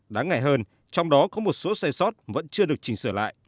đáng ngại hơn trong đó có một số sai sót vẫn chưa được chỉnh sửa lại